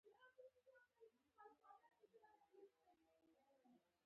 ورزش د وینې دوران ښه کوي.